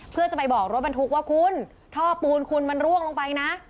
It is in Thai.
เพื่อจะไปบอกรถบรรทุกว่าคุณท่อปูนคุณมันร่วงลงไปนะ